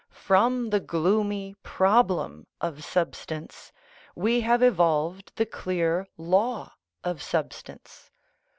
From the gloomy problem of substance we have evolved the clear law of substance.